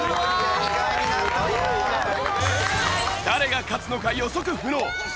誰が勝つのか予測不能！